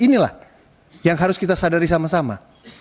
inilah yang harus kita sadari sama sama